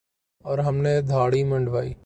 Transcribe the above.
اور ہم نے دھاڑی منڈوادی